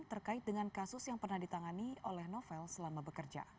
terkait dengan kasus yang pernah ditangani oleh novel selama bekerja